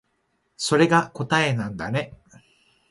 それが答えなんだね